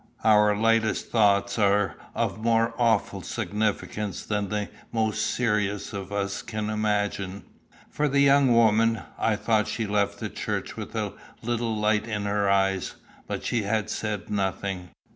Our lightest thoughts are of more awful significance than the most serious of us can imagine. For the young woman, I thought she left the church with a little light in her eyes; but she had said nothing.